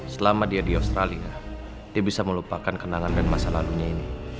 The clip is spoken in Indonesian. selama dia di australia dia bisa melupakan kenangan dan masa lalunya ini